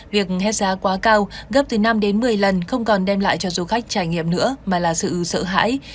việc hết giá quá cao gấp từ năm đến một mươi lần không còn đem lại cho du khách trải nghiệm nữa mà là sự sợ hãi